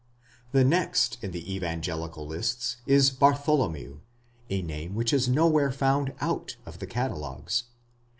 The next in the evangelical lists is Bartholomew ; a name which is nowhere found out of the catalogues.